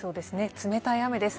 冷たい雨です。